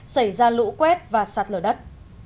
xảy ra lũ quét và sạt lở đất